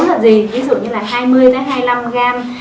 rất là gì ví dụ như là hai mươi hai mươi năm gram